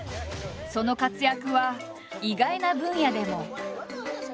その活躍は意外な分野でも。